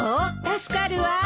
助かるわ。